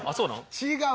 違う。